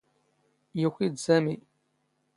ⵢⵓⴽⵉ ⴷ ⵙⴰⵎⵉ.